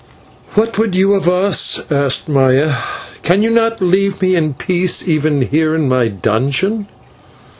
"What would you of us?" asked Maya. "Can you not leave me in peace even here in my dungeon?"